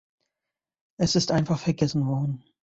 Es ist einfach vergessen worden.